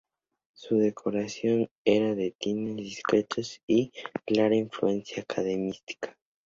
Su decoración era de tintes discretos y clara influencia academicista.